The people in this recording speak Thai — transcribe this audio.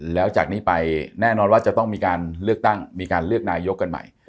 แล้วอย่างนี้ไปแน่นอนว่าเราต้องมีการเลือกก่อนมาบอกว่า